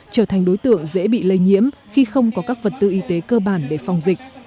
trở thành đối tượng dễ bị lây nhiễm khi không có các vật tư y tế cơ bản để phòng dịch